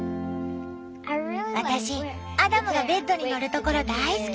私アダムがベッドに乗るところ大好き！